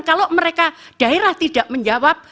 kalau mereka daerah tidak menjawab